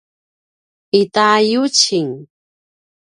ita yucing